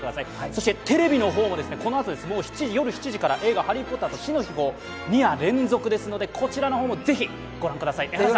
そしてテレビの方もこのあと、夜７時から「ハリー・ポッターと死の秘宝」２夜連続ですのでこちらの方もぜひ御覧ください。